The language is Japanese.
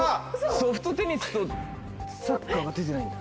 ソフトテニスとサッカーが出てないんだ。